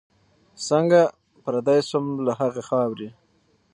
څنګه پردی سوم له هغي خاوري